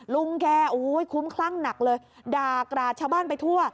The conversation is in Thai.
ลุงแกโอ้โหคุ้มคลั่งหนักเลยด่ากราดชาวบ้านไปทั่ว